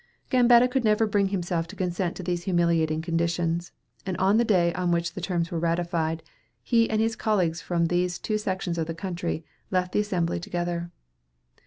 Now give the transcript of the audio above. Gambetta could never bring himself to consent to these humiliating conditions, and on the day on which the terms were ratified, he and his colleagues from these two sections of the country, left the assembly together.